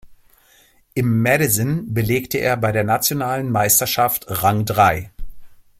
Im Madison belegte er bei der nationalen Meisterschaft Rang Drei.